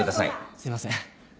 すみません。